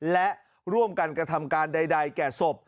และร่วมกันกระทำการใดแก่ศพ